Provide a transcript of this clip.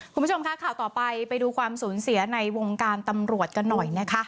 คุณผู้ชมค่ะข่าวต่อไปไปดูความสูญเสียในวงการตำรวจกันหน่อยนะคะ